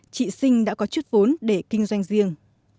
chị sinh đã có chút vốn để kinh doanh riêng